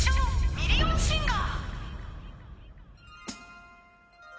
ミリオンシンガー』